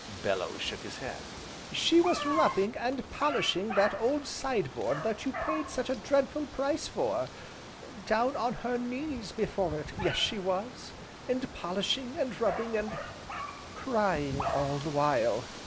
Bellew shook his head. "She was rubbing and polishing that old side board that you paid such a dreadful price for, down on her knees before it, yes she was! and polishing, and rubbing, and crying all the while.